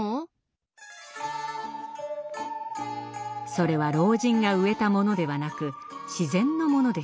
それは老人が植えたものではなく自然のものでした。